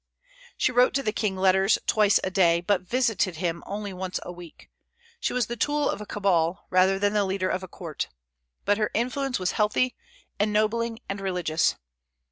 She wrote to the king letters twice a day, but visited him only once a week. She was the tool of a cabal, rather than the leader of a court; but her influence was healthy, ennobling, and religious.